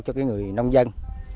cho người nông dân